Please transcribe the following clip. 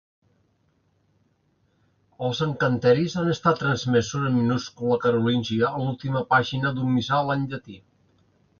Els encanteris han estat transmesos en minúscula carolíngia en l'última pàgina d'un missal en llatí.